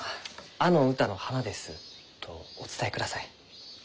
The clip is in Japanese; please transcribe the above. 「あの歌の花です」とお伝えください。